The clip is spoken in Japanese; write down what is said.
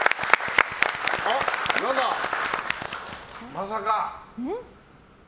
まさか！